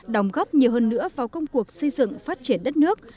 đồng góp nhiều hơn nữa vào công cuộc xây dựng phát triển đất nước